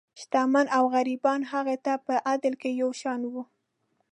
شتمن او غریبان هغه ته په عدل کې یو شان وو.